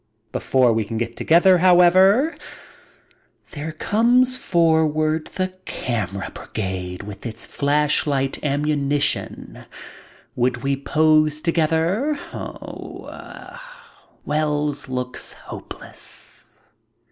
Before we can get together, however, there comes forward the camera brigade with its flashlight ammunition. Would we pose together ? Wells looks hopeless.